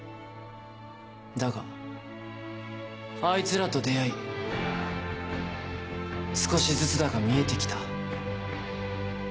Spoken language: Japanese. だがあいつらと出会い少しずつだが見えて来た。